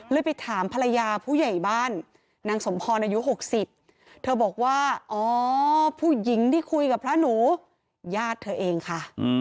ไปถามภรรยาผู้ใหญ่บ้านนางสมพรอายุ๖๐เธอบอกว่าอ๋อผู้หญิงที่คุยกับพระหนูญาติเธอเองค่ะ